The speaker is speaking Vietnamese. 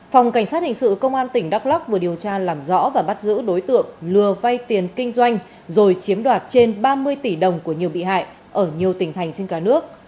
phòng cảnh sát hình sự công an tỉnh đắk lắc vừa điều tra làm rõ và bắt giữ đối tượng lừa vay tiền kinh doanh rồi chiếm đoạt trên ba mươi tỷ đồng của nhiều bị hại ở nhiều tỉnh thành trên cả nước